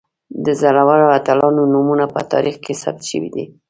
د زړورو اتلانو نومونه په تاریخ کې ثبت شوي دي.